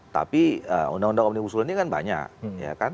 tapi undang undang omnibus law ini kan banyak